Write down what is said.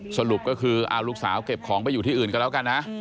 สรุปก็คือเอาลูกสาวเก็บของไปอยู่ที่อื่นก็แล้วกันนะ